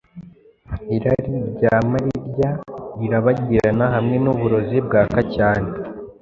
Irari ryama rirya, Rirabagirana hamwe nuburozi bwaka cyane